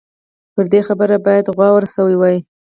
پر دې خبرې باید غور شوی وای.